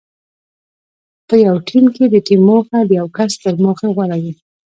په یو ټیم کې د ټیم موخه د یو کس تر موخې غوره وي.